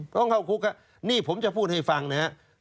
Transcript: ต้องเข้าคุกนี่ผมจะพูดให้ฟังนะครับ